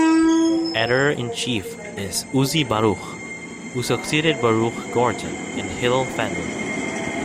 Editor-in-chief is Uzi Baruch, who succeeded Baruch Gordon and Hillel Fendel.